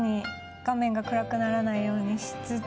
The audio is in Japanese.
画面が暗くならないようにしつつ。